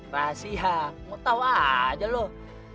rahasia mau tawa aja loh